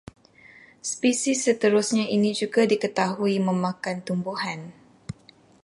Spesies seterusnya ini juga diketahui memakan tumbuhan